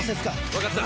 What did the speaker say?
わかった。